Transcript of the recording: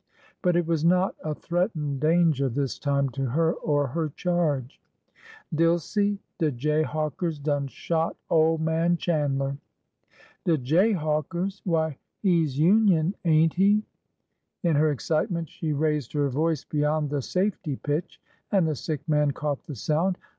But it was not a threatened danger this time to her or her charge. Dilsey ! de jayhawkers done shot ole man Chan'ler !"" De jayhawkers ! Why, he 's Union, ain't he? " In her excitement, she raised her voice beyond the safety pitch, and the sick man caught the sound.